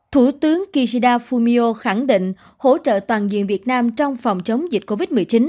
thủ tướng kishida fumio khẳng định hỗ trợ toàn diện việt nam trong phòng chống dịch covid một mươi chín